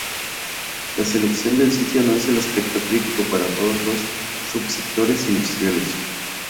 La selección del sitio no es el aspecto crítico para todos los sub-sectores industriales.